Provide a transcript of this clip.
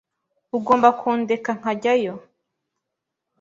Ugomba kundeka nkajyayo.